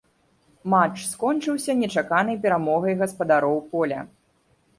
Матч скончыўся нечаканай перамогай гаспадароў поля.